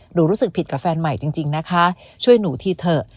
รู้สึกผิดกับแฟนใหม่จริงนะคะช่วยหนูทีเถอะ